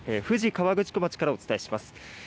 富士河口湖町からお伝えします。